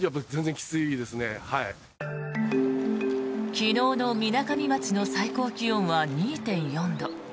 昨日のみなかみ町の最高気温は２．４度。